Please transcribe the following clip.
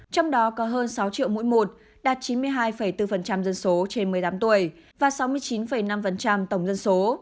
trong đó có hơn sáu triệu mũi một đạt chín mươi hai bốn dân số trên một mươi tám tuổi và sáu mươi chín năm tổng dân số